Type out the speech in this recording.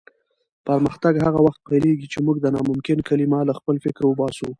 پرمختګ هغه وخت پیلېږي چې موږ د ناممکن کلمه له خپل فکره وباسو.